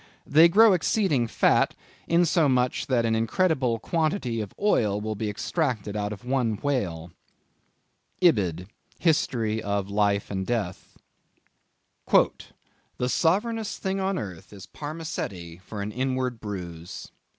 They grow exceeding fat, insomuch that an incredible quantity of oil will be extracted out of one whale." —Ibid. "History of Life and Death." "The sovereignest thing on earth is parmacetti for an inward bruise."